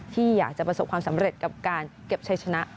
ที่อยากจะประสบความสำเร็จกับการเก็บชัยชนะ